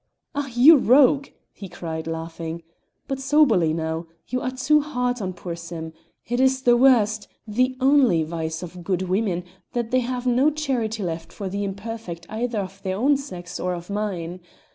"Ah, you rogue!" he cried, laughing. "But soberly now, you are too hard on poor Sim. It is the worst the only vice of good women that they have no charity left for the imperfect either of their own sex or of mine.